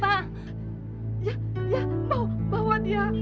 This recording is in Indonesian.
ya ya bawa dia